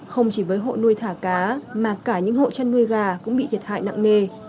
không chỉ với hộ nuôi thả cá mà cả những hộ chăn nuôi gà cũng bị thiệt hại nặng nề